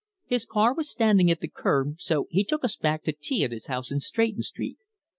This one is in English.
His car was standing at the kerb, so he took us back to tea at his house in Stretton Street.